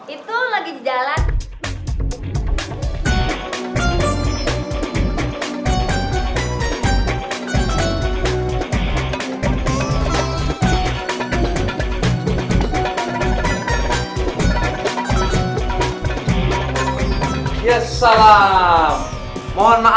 itu lagi di jalan